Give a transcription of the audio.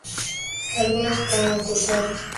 Algunas concursantes estuvieron en otros certámenes.